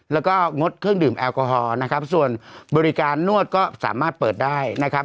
แล้วก็งดเครื่องดื่มแอลกอฮอล์นะครับส่วนบริการนวดก็สามารถเปิดได้นะครับ